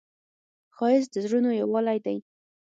ښایست د زړونو یووالی دی